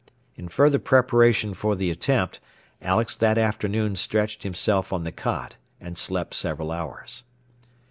In further preparation for the attempt Alex that afternoon stretched himself on the cot, and slept several hours.